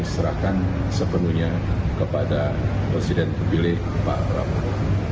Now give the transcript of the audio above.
sepenuhnya kepada presiden terpilih pak prabowo